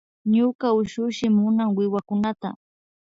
Ñuka ushushi munan wiwakunata